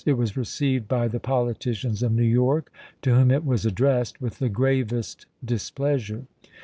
It was received by the politicians of New York, to whom it was addressed, with the gravest displeasure.